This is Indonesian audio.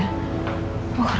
dibikinin teh kali ya